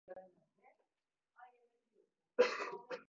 法政大学ホッピー